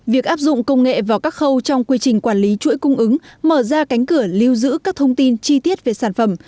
việc áp dụng công nghệ vào các khâu trong quy trình quản lý chuỗi cung ứng mở ra cánh cửa lưu giữ các thông tin chi tiết về sản phẩm